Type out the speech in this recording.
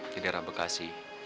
di daerah bekasi